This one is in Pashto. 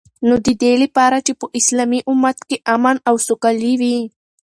نو ددی لپاره چی په اسلامی امت کی امن او سوکالی وی